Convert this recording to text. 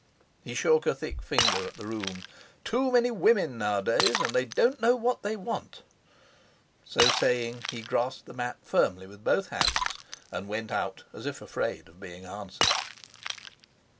He shook a thick finger at the room: "Too many women nowadays, and they don't know what they want." So saying, he grasped the map firmly with both hands, and went out as if afraid of being answered.